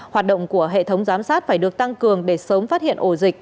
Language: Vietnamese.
hoạt động của hệ thống giám sát phải được tăng cường để sớm phát hiện ổ dịch